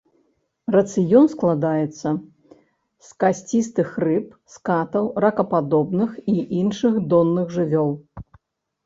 Рацыён складаецца з касцістых рыб, скатаў, ракападобных і іншых донных жывёл.